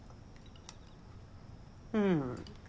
うん。